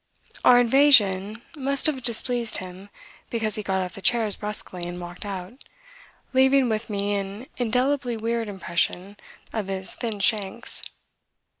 Our invasion must have displeased him because he got off the chairs brusquely and walked out, leaving with me an indelibly weird impression of his thin shanks.